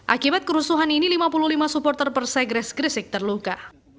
akibat kerusuhan ini lima puluh lima supporter persegres gresik terluka